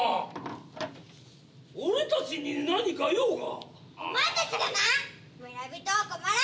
「俺たちに何か用か？」